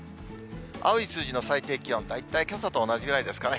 青い数字の最低気温、大体けさと同じぐらいですかね。